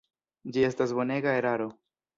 Ĝi estas bonega eraro.